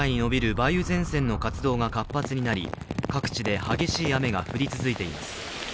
梅雨前線の活動が活発になり各地で激しい雨が降り続いています。